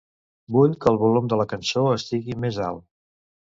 Vull que el volum de la cançó estigui més alt.